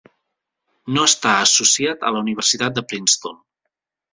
No està associat a la Universitat de Princeton.